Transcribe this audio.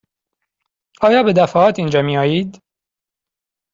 آیا به دفعات اینجا می آیید؟